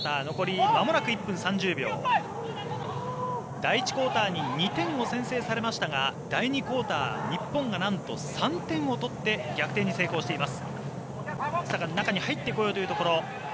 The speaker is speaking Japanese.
第１クオーターに２点を先制されましたが第２クオーター日本がなんと３点を取って逆転に成功しています。